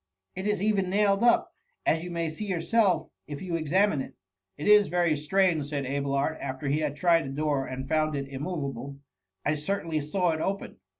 It is even nailed up, as you may see yourself if you examine it."" <^ It is very strange,'* said Abelard, after he had tried the door and found it immoveable; •* I certainly saw it open."